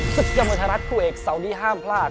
สุธยมาธรัฐคู่เอกเสาร์นี้ห้ามพลาด